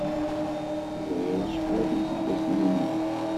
Ẓriɣ acḥal iseggasen-nnem.